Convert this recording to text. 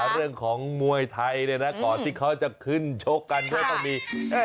เรื่องของมวยไทยเนี่ยนะก่อนที่เขาจะขึ้นชกกันก็ต้องมี